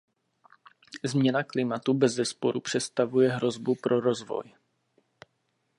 Změna klimatu bezesporu představuje hrozbu pro rozvoj.